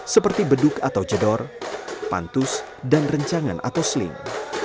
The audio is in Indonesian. seperti beduk atau jedor pantus dan rencangan atau sling